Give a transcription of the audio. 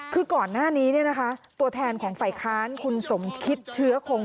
คือก่อนหน้านี้ตัวแทนของฝ่ายค้านคุณสมคิดเชื้อคง